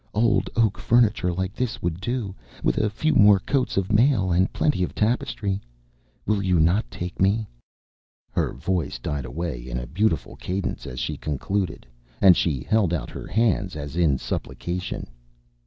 Old oak furniture like this would do, with a few more coats of mail and plenty of tapestry. Will you not take me?" Her voice died away in a beautiful cadence as she concluded, and she held out her hands as in supplication.